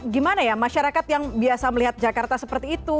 gimana ya masyarakat yang biasa melihat jakarta seperti itu